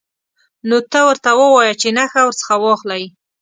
نو ته ورته ووایه چې نخښه ورڅخه واخلئ.